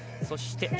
そして、